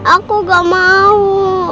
aku nggak mau